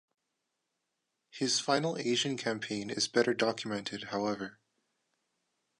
His final Asian campaign is better documented, however.